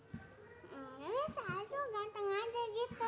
ganteng aja gitu